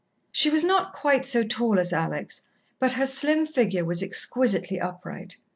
She was not quite so tall as Alex, but her slim figure was exquisitely upright.